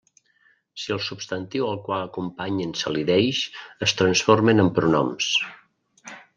Si el substantiu al qual acompanyen s'elideix es transformen en pronoms.